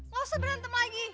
gak usah berantem lagi